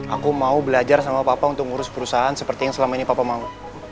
aku mau belajar sama papa untuk ngurus perusahaan seperti yang selama ini papa mau